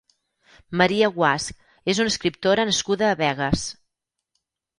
Maria Guasch és una escriptora nascuda a Begues.